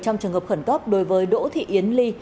trong trường hợp khẩn cấp đối với đỗ thị yến ly